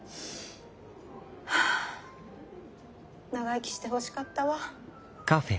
長生きしてほしかったわ。